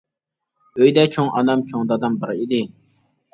ئۆيدە چوڭ ئانام، چوڭ دادام بار ئىدى.